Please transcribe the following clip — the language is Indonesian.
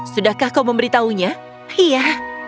sarah kau tidak bisa lagi berada di ruangan ini